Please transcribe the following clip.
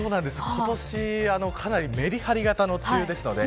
今年かなりメリハリ型の梅雨ですので。